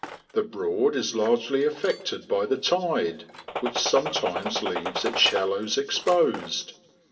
The Broad is largely affected by the tide, which sometimes leaves its shallows exposed.